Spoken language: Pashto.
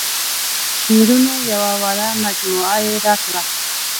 د شعرونو یوه وړه مجموعه یې راکړه.